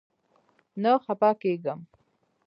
نه خپه کيږم